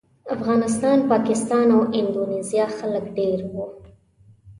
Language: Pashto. افغانستان، پاکستان او اندونیزیا خلک ډېر وو.